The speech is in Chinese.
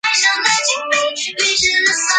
她知道堂兄在此事幕后主使。